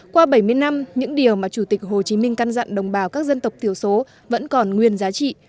qua bảy mươi năm những điều mà chủ tịch hồ chí minh căn dặn đồng bào các dân tộc thiểu số vẫn còn nguyên giá trị